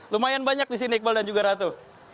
lumayan banyak disini iqbal dan juga ratu